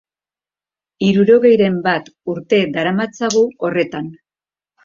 Hirurogeiren bat urte daramatzagu horretan.